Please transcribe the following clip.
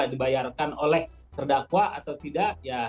dibayarkan oleh terdakwa atau tidak